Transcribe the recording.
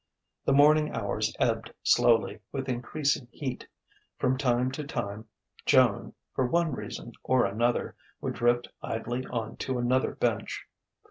The morning hours ebbed slowly, with increasing heat. From time to time Joan, for one reason or another, would drift idly on to another bench.